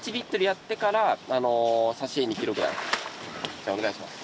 じゃあお願いします。